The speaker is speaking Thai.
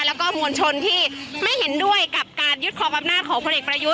แล้วก็มวลชนที่ไม่เห็นด้วยกับการยึดครองอำนาจของพลเอกประยุทธ์